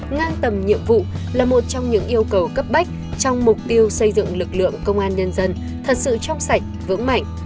ngang tầm nhiệm vụ là một trong những yêu cầu cấp bách trong mục tiêu xây dựng lực lượng công an nhân dân thật sự trong sạch vững mạnh